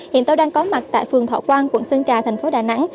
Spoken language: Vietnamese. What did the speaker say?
hiện tôi đang có mặt tại phường thọ quang quận sơn trà tp đà nẵng